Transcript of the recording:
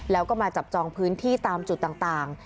แล้วก็มาจับจองพื้นที่ตามจุดต่าง